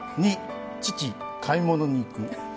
２、「父、買い物に行く」。